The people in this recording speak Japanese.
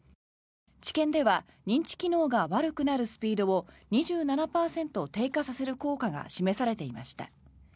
治験では認知機能が悪くなるスピードを２７％低下させる効果が示されていました。